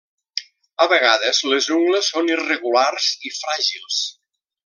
A vegades les ungles són irregulars i fràgils.